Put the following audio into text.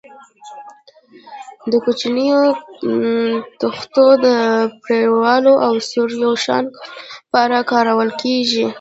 د کوچنیو تختو د پرېړوالي او سور یو شان کولو لپاره کارول کېږي.